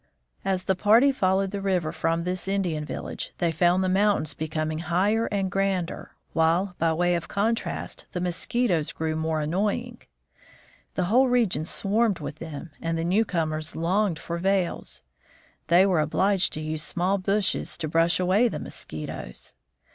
As the party followed the river from this Indian village, they found the mountains becoming higher and grander, while — by way of contrast — the mosquitoes grew more annoying. The whole region swarmed with them, and the newcomers longed for veils. They were obliged to use small bushes to brush away the mosquitoes.